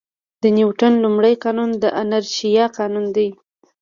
د نیوټن لومړی قانون د انرشیا قانون دی.